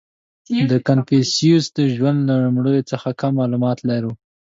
• د کنفوسیوس د ژوند له لومړیو څخه کم معلومات لرو.